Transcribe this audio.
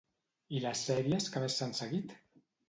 I les sèries que més s'han seguit?